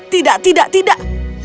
tidak tidak tidak